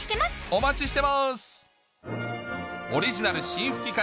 お待ちしてます！